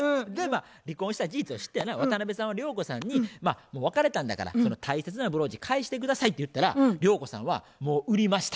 離婚した事実を知ってやな渡辺さんは涼子さんに「別れたんだから大切なブローチ返して下さい」って言ったら涼子さんは「もう売りました」